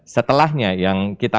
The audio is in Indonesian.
setelahnya yang kita